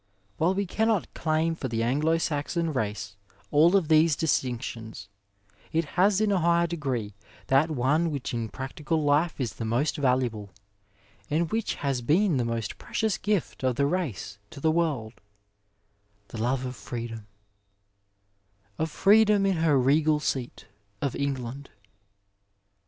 While we cannot claim for the Anglo Saxon race all of these distbc tions it has in a high degree that one which in practical life is the most valuable, and which has been the most precious gift of the race to the worid — the love of freedom^ Of freedom in her regal seat Of England.